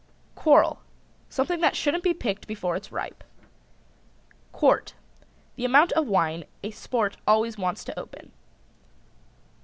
QUARREL. Something that shouldn't be picked before it's ripe. QUART. The amount of wine a sport always wants to open.